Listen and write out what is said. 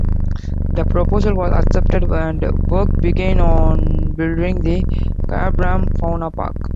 The proposal was accepted and work began on building the Kyabram Fauna Park.